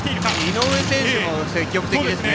井之上選手も積極的ですね。